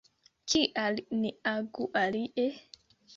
Kial ni agu alie?